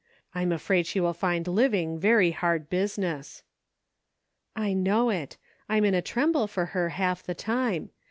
I'm afraid she will find living very hard business." " I know it. I'm in a tremble for her half the time.